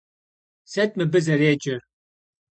Sıt mıbı zerêcer?